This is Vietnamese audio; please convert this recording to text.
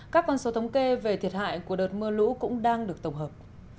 các con số thống kê về thiệt hại của đợt mưa lũ cũng đang được tổng hợp